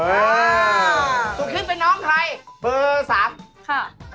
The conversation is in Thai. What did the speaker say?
เออสุขี้เป็นน้องใครมือ๓ค่ะพระจันทร์